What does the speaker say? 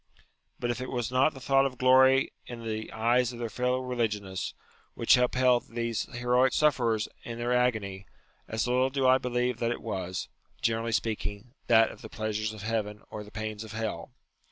But if it was not the thought of glory in the eyes of their fellow religionists, which upheld these UTILITY OF RELIGION 95 heroic sufferers in their agony, as little do I believe that it was, generally speaking, that of the pleasures of heaven or the pains of hell.